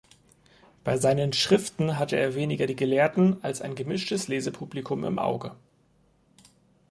Bei seinen Schriften hatte er weniger die Gelehrten als ein gemischtes Lesepublikum im Auge.